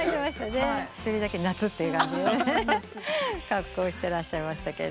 一人だけ夏って感じの格好してらっしゃいましたけど。